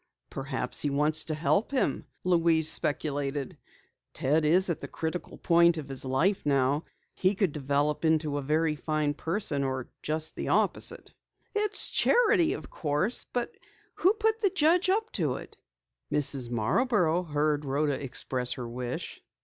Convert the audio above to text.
"Perhaps he wants to help him," Louise speculated. "Ted is at the critical point of his life now. He could develop into a very fine person or just the opposite." "It's charity, of course. But who put the judge up to it?" "Mrs. Marborough heard Rhoda express her wish."